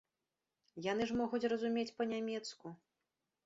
Яны ж могуць разумець па-нямецку.